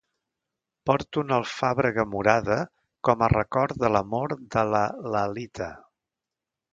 Porta una alfàbrega morada com a record de l'amor de la Lalitha.